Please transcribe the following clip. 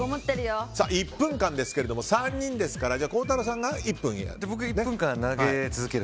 １分間ですけれども３人ですから孝太郎さんが１分やる。